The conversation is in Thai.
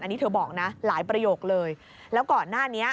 อันนี้เธอบอกนะหลายประโยคเลยแล้วก่อนหน้านี้